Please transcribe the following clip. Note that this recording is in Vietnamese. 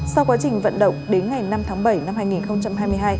sau quá trình vận động đến ngày năm tháng bảy năm hai nghìn hai mươi hai